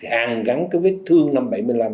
hàng gắn cái vết thương năm bảy mươi năm